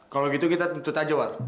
kalau gitu kita tutut aja wak